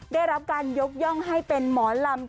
ได้รับการยกย่องให้เป็นหมอลำ